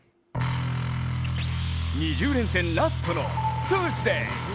２０連戦ラストのサーズデイ。